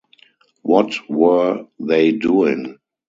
What were they doing?